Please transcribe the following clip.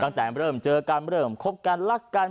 ตั้งแต่เริ่มเจอกันเริ่มคบกันรักกัน